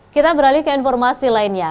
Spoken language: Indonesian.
kita beralih ke informasi lainnya